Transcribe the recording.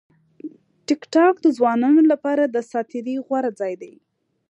ټیکټاک د ځوانانو لپاره د ساعت تېري غوره ځای دی.